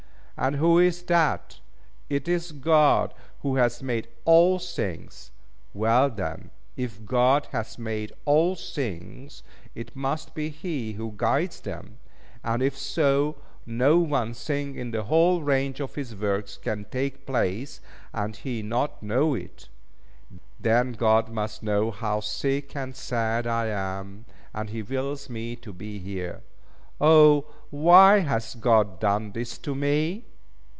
And who is that? It is God who hath made all things. Well then, if God hath made all things, it must be He who guides them; and if so, no one thing in the whole range of His works can take place, and He not know it. Then God must know how sick and sad I am, and He wills me to be here. O, why hath God done this to me!"